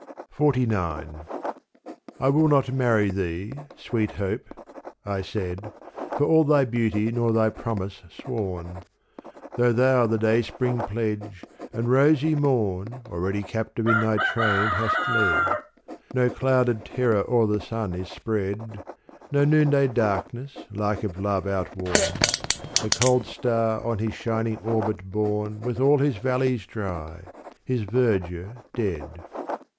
XLIX I WILL not marry thee, sweet Hope — I said — For all thy beauty nor thy promise sworn : Though thou the dayspring pledge, and rosy morn Already captive in thy train hast led. No clouded terror o'er the sun is spread, No noonday darkness like of love outworn : The cold star on his shining orbit borne With all his valleys dry, his verdure dead.